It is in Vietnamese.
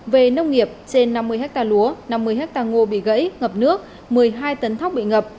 về nông nghiệp trên năm mươi hectare lúa năm mươi hectare ngô bị gãy ngập nước một mươi hai tấn thóc bị ngập